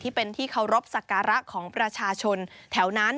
เป็นที่เคารพสักการะของประชาชนแถวนั้น